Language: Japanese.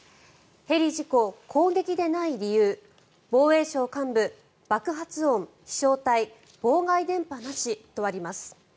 ヘリ事故、攻撃でない理由防衛省幹部爆発音・飛翔体・妨害電波なしとあります。